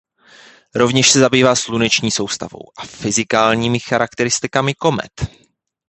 Rovněž se zabývá sluneční soustavou a fyzikálními charakteristikami komet.